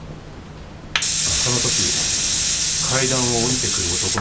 そのとき階段を下りてくる男とぶつかった。